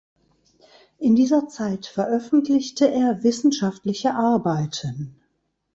In dieser Zeit veröffentlichte er wissenschaftliche Arbeiten.